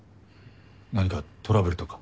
なにかトラブルとか？